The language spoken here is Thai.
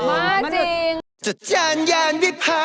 มากจริง